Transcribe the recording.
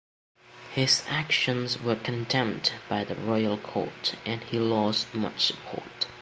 His actions were condemned by the royal court, and he lost much support.